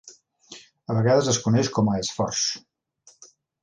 A vegades es coneix com a Esforç.